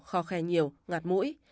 kho khe nhiều ngạt mũi